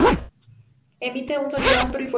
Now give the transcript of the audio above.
Emite un sonido áspero y fuerte.